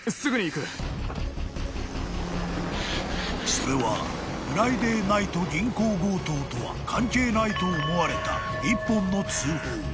［それはフライデーナイト銀行強盗とは関係ないと思われた一本の通報］